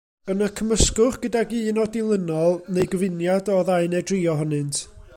Yna cymysgwch gydag un o'r dilynol, neu gyfuniad o ddau neu dri ohonynt.